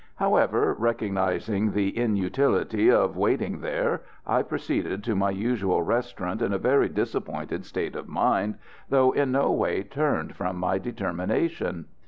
However, recognising the inutility of waiting there, I proceeded to my usual restaurant in a very disappointed state of mind, though in no way turned from my determination.